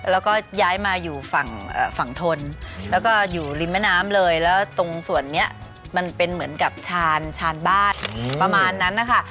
แล้วก็ย้ายมาอยู่ฝั่งฝั่งทนแล้วก็อยู่ริมแม่น้ำเลยแล้วตรงส่วนนี้มันเป็นเหมือนกับชานบ้านประมาณนั้นนะคะ